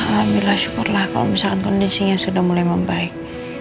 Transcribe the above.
alhamdulillah syukurlah kalau misalkan kondisinya sudah mulai membaik